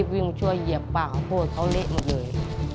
วิ่งช่วยเหยียบปากข้าวโพดเขาเละหมดเลย